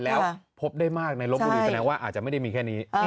แล้วพบได้มากในลบบุรีแสดงว่าอาจจะไม่ได้มีแค่นี้